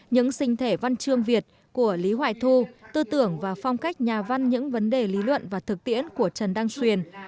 những sinh thể văn trương việt của lý hoài thu tư tưởng và phong cách nhà văn những vấn đề lý luận và thực tiễn của trần đăng xuyền